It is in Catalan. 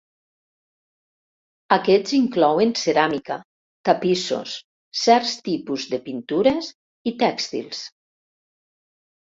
Aquests inclouen ceràmica, tapissos, certs tipus de pintures i tèxtils.